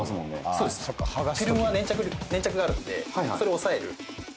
そうですフィルムは粘着があるんでそれを抑える